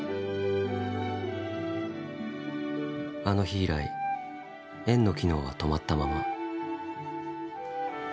あの日以来園の機能は止まったまま。